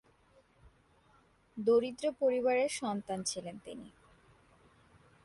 দরিদ্র পরিবারের সন্তান ছিলেন তিনি।